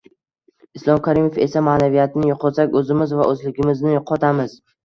Islom Karimov esa “Ma’naviyatni yo‘qotsak, o‘zimiz va o‘zligimizni yo‘qotamiz